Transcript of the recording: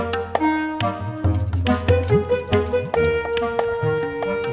sampai jumpa di video selanjutnya